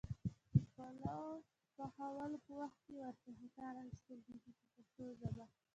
د پلو پخولو په وخت کې ور څخه کار اخیستل کېږي په پښتو ژبه.